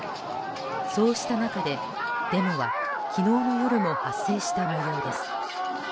そうした中で、デモは昨日の夜も発生した模様です。